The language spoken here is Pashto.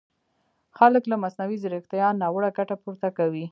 خلک له مصنوعي ځیرکیتا ناوړه ګټه پورته کوي!